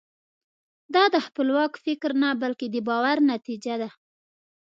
دا د خپلواک فکر نه بلکې د باور نتیجه ده.